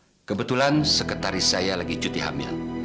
sama sama kebetulan sekretaris saya lagi cuti hamil